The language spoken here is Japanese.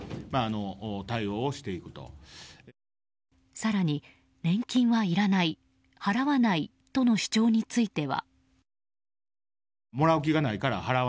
更に、年金はいらない払わないとの主張については。